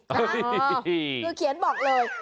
คือเขียนบอกเลย